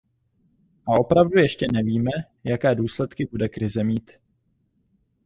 A opravdu ještě nevíme, jaké důsledky bude krize mít.